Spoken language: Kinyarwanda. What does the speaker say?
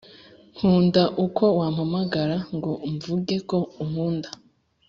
nkunda uko wampamagara ngo mvuge ko unkunda.